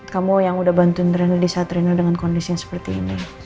kamu yang udah bantuin rena di saat rena dengan kondisi yang seperti ini